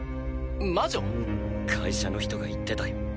魔女？会社の人が言ってたよ